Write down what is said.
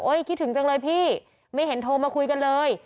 คิดถึงจังเลยพี่ไม่เห็นโทรมาคุยกันเลย